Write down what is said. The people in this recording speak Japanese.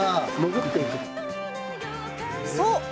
そう！